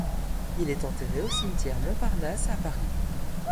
Il est enterré au cimetière Montparnasse à Paris.